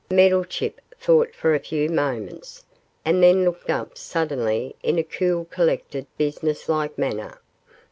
Meddlechip thought for a few moments, and then looked up suddenly in a cool, collected, business like manner.